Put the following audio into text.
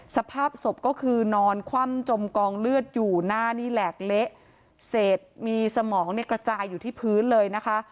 สภาพศพก็คือนอนคว่ำจมกองเลือดอยู่หน้านี้แหลกเละเศษมีสมองเนี่ยกระจายอยู่ที่พื้นเลยนะคะ